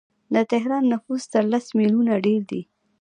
د تهران نفوس تر لس میلیونه ډیر دی.